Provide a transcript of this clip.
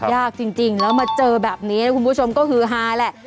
ยากจริงแล้วมาเจอแบบนี้นะคุณผู้ชมก็คือฮาแหละ